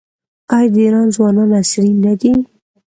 آیا د ایران ځوانان عصري نه دي؟